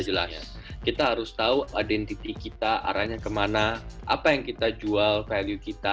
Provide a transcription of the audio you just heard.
jelas kita harus tahu identitas kita arahnya kemana apa yang kita jual value kita